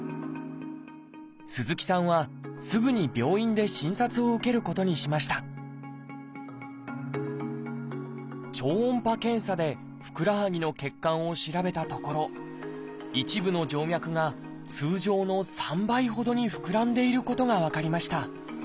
鈴木さんはすぐに病院で診察を受けることにしました超音波検査でふくらはぎの血管を調べたところ一部の静脈が通常の３倍ほどに膨らんでいることが分かりました。